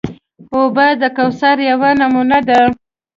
اوبه د کوثر یوه نمونه ده.